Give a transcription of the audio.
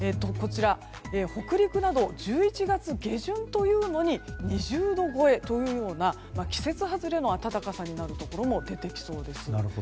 北陸など１１月下旬というのに２０度超えというような季節外れの暖かさになるところも出てきそうです。